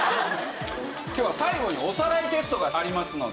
今日は最後におさらいテストがありますので。